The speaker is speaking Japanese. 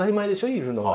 いるのが。